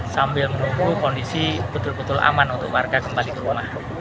sambil menunggu kondisi betul betul aman untuk warga kembali ke rumah